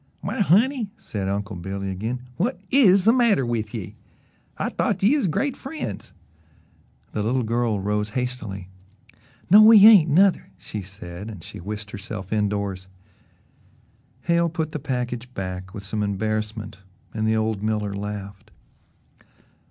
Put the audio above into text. "Why, honey," said Uncle Billy again, "whut IS the matter with ye? I thought ye was great friends." The little girl rose hastily. "No, we ain't, nuther," she said, and she whisked herself indoors. Hale put the package back with some embarrassment and the old miller laughed.